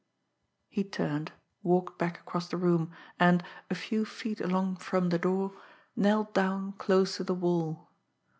He turned, walked back across the room, and, a few feet along from the door, knelt down close to the wall.